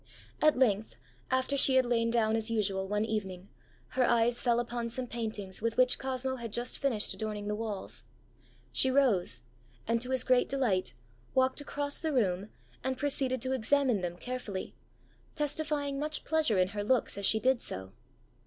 At length, after she had lain down as usual one evening, her eyes fell upon some paintings with which Cosmo had just finished adorning the walls. She rose, and to his great delight, walked across the room, and proceeded to examine them carefully, testifying much pleasure in her looks as she did so.